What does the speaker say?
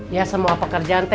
ya semua pekerjaan te